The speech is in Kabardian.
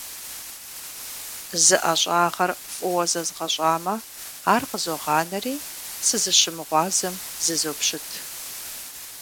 Зы ӀэщӀагъэр фӀыуэ зэзгъащӀэмэ, ар къызогъанэри, сызыщымыгъуазэм зызопщыт.